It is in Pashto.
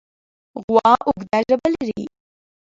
غوا اوږده ژبه لري.